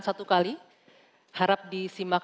satu kali harap disimak